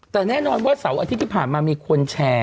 แต่แน่นอนว่าเสาร์อาทิตย์ที่ผ่านมามีคนแชร์